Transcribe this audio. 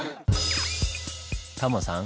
タモさん